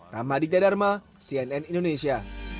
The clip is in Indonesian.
ramaditya dharma cnn indonesia